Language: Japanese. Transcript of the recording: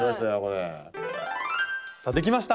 さあできました！